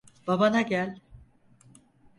Babana gel.